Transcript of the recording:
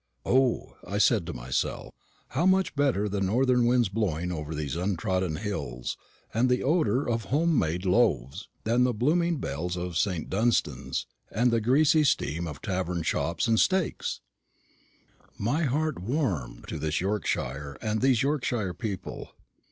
"O," I said to myself, "how much better the northern winds blowing over these untrodden hills, and the odour of home made loaves, than the booming bells of St. Dunstan's, and the greasy steam of tavern chops and steaks!" My heart warmed to this Yorkshire and these Yorkshire people.